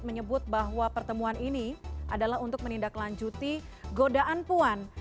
menyebut bahwa pertemuan ini adalah untuk menindaklanjuti godaan puan